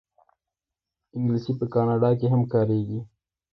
انګلیسي په کاناډا کې هم کارېږي